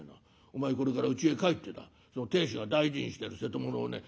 お前これからうちへ帰ってだ亭主が大事にしてる瀬戸物をね